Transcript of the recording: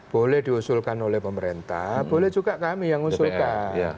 boleh diusulkan oleh pemerintah boleh juga kami yang usulkan